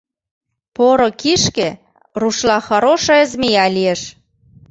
«Поро кишке» рушла «хорошая змея» лиеш.